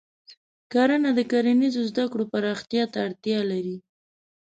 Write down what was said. کرنه د کرنیزو زده کړو پراختیا ته اړتیا لري.